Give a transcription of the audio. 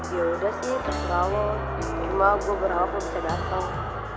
ya udah sih terserah lo cuma gue berharap lo bisa datang